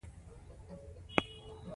په مغربي ټولنو کې نجونې آزادې لوبې کوي.